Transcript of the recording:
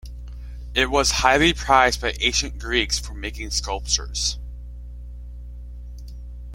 It was highly prized by ancient Greeks for making sculptures.